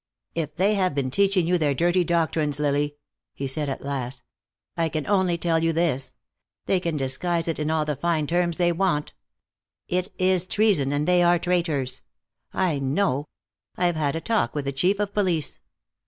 "If they have been teaching you their dirty doctrines, Lily," he said at last, "I can only tell you this. They can disguise it in all the fine terms they want. It is treason, and they are traitors. I know. I've had a talk with the Chief of Police."